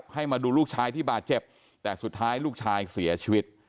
ให้มาดูลูกชายที่บาดเจ็บแต่สุดท้ายลูกชายเสียชีวิต